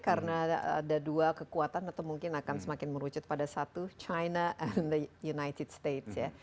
karena ada dua kekuatan atau mungkin akan semakin merucut pada satu china and the united states